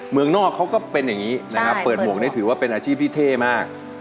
เมืองนอกเขาก็เป็นอย่างนี้นะครับเปิดหมวกนี่ถือว่าเป็นอาชีพที่เท่มาก